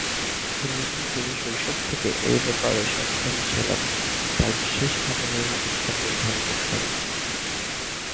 কিন্তু তিনি শৈশব থেকে এ ব্যাপারে সচেতন ছিলেন তাই বিশেষভাবে নির্মিত জুতা পরিধান করতেন।